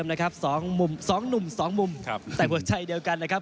ทั้งหนุ่มสองมุมแต่หัวใจเดียวกันนะครับ